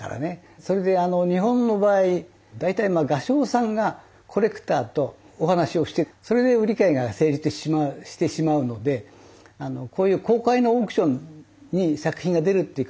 それであの日本の場合大体画商さんがコレクターとお話をしてそれで売り買いが成立してしまうのでこういう公開のオークションに作品が出るっていうことはあまりないんですね。